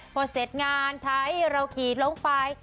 พอเสร็จงานถ่ายเรากีดลงไป